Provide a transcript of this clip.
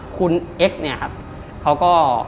คุณเอ็กซ์เนี่ยครับเขาก็